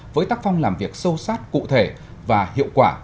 với tác phong làm việc sâu sát cụ thể và hiệu quả